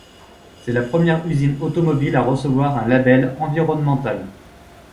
C'est la première usine automobile à recevoir un label environnemental.